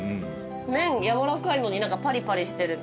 麺やわらかいのにパリパリしてるみたいな。